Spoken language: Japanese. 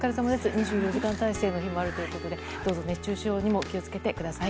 ２４時間態勢の日もあるということでどうぞ熱中症にも気を付けてください。